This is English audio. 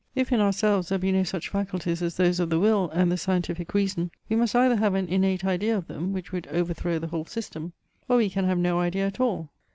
If in ourselves there be no such faculties as those of the will, and the scientific reason, we must either have an innate idea of them, which would overthrow the whole system; or we can have no idea at all.